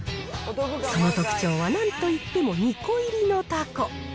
その特徴はなんといっても２個入りのたこ。